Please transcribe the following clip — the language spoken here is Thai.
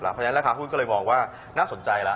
เพราะฉะนั้นราคาหุ้นก็เลยมองว่าน่าสนใจแล้ว